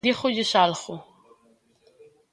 Dígolles algo.